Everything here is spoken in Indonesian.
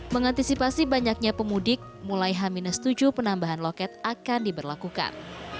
mengantisipasi banyaknya pemudik mulai h tujuh penambahan loket akan diberlakukan